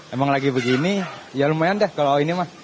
emang lagi begini ya lumayan deh kalau ini mas